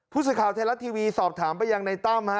ผู้สื่อข่าวไทยรัฐทีวีสอบถามไปยังในตั้มฮะ